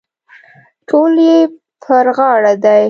ډول یې پر غاړه دی.